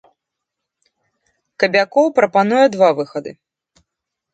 Кабякоў прапануе два выхады.